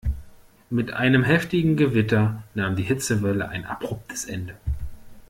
Mit einem heftigen Gewitter nahm die Hitzewelle ein abruptes Ende.